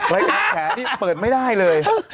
รายการแฉนี่เปิดไม่ได้เลย